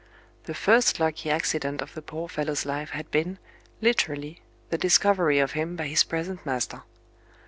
The first lucky accident of the poor fellow's life had been, literally, the discovery of him by his present master.